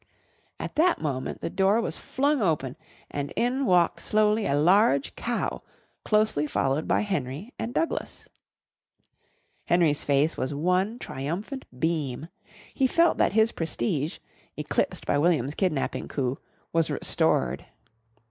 At that moment the door was flung open and in walked slowly a large cow closely followed by Henry and Douglas. Henry's face was one triumphant beam. He felt that his prestige, eclipsed by William's kidnapping coup, was restored.